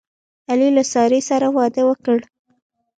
علي له سارې سره واده وکړ.